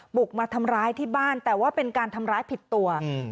บุกมาทำร้ายที่บ้านแต่ว่าเป็นการทำร้ายผิดตัวอืม